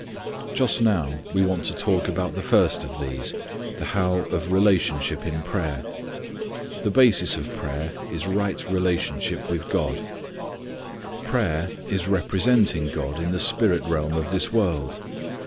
Just now, we want to talk about the first of these, the how of relationship in prayer. The basis of prayer is right relationship with God. Prayer is representing God in the spirit realm of this world.